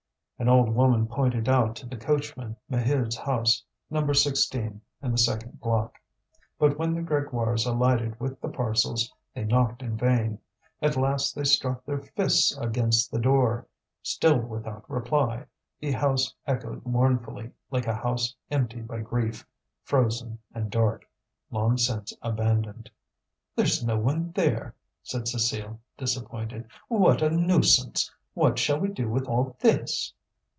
An old woman pointed out to the coachman Maheude's house, No. 16 in the second block. But when the Grégoires alighted with the parcels, they knocked in vain; at last they struck their fists against the door, still without reply; the house echoed mournfully, like a house emptied by grief, frozen and dark, long since abandoned. "There's no one there," said Cécile, disappointed. "What a nuisance! What shall we do with all this?"